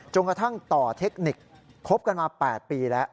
กระทั่งต่อเทคนิคคบกันมา๘ปีแล้ว